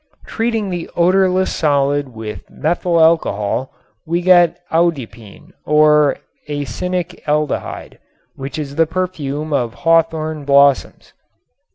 Treating the odorless solid with methyl alcohol we get audepine (or anisic aldehyde) which is the perfume of hawthorn blossoms.